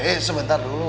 eh sebentar dulu